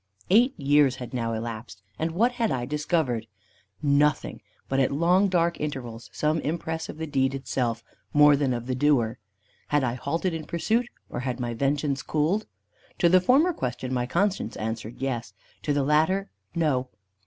Eight years had now elapsed, and what had I discovered? Nothing; but at long dark intervals some impress of the deed itself, more than of the doer. Had I halted in pursuit, or had my vengeance cooled? To the former question my conscience answered "yes," to the latter "no."